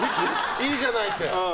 いいじゃないって？